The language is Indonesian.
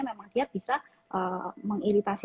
memang dia bisa mengiritasi